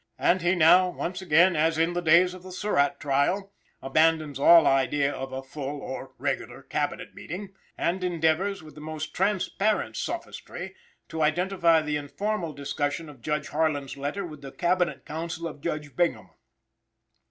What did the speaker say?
And he, now, once again, as in the days of the Surratt trial, abandons all idea of a "full" or regular Cabinet meeting, and endeavors, with the most transparent sophistry, to identify the informal discussion of Judge Harlan's letter with the Cabinet Council of Judge Bingham.